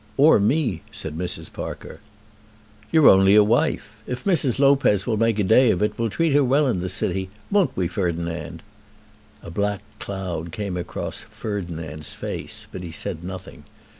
"Or me," said Mrs. Parker. "You're only a wife. If Mrs. Lopez will make a day of it we'll treat her well in the city; won't we, Ferdinand?" A black cloud came across "Ferdinand's" face, but he said nothing.